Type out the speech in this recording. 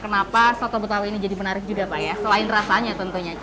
kenapa soto betawi ini jadi menarik juga pak ya selain rasanya tentunya